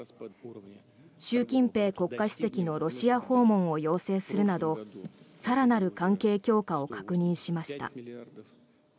習近平国家主席のロシア訪問を要請するなど更なる関係強化を確認しました。